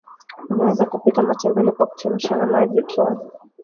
unaweza kupika matembele kwa kuchemsha na maji tu